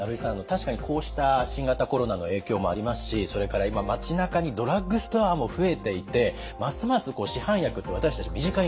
確かにこうした新型コロナの影響もありますしそれから今町なかにドラッグストアも増えていてますます市販薬って私たち身近になっていると。